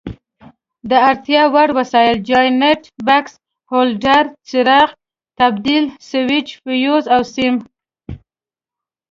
د اړتیا وړ وسایل: جاینټ بکس، هولډر، څراغ، تبدیل سویچ، فیوز او سیم.